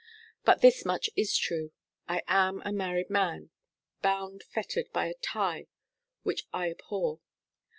But this much is true. I am a married man bound, fettered by a tie which I abhor.